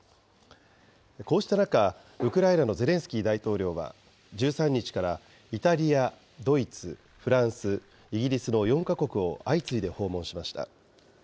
こうした中、ウクライナのゼレンスキー大統領は１３日から、イタリア、ドイツ、フランス、イギリスの４か国を相次いで訪問しました。